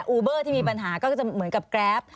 ูเบอร์ที่มีปัญหาก็จะเหมือนกับแกรป